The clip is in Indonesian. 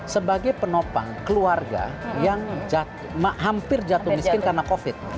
sebagai penopang keluarga yang hampir jatuh miskin karena covid